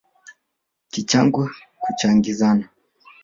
Kichango kuchangizana